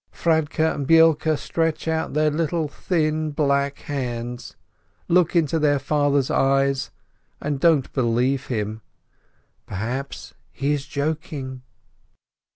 Fradke and Beilke stretch out their little thin, black hands, look into their father's eyes, and don't believe him: perhaps he is joking?